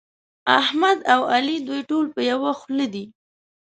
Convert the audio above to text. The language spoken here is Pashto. احمد او علي دوی ټول په يوه خوله دي.